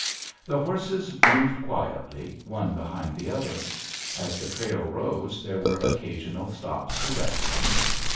The horses moved quietly, one behind the other. As the trail rose there were occasional stops to rest them.